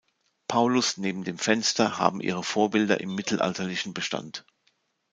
Paulus neben dem Fenster haben ihre Vorbilder im mittelalterlichen Bestand.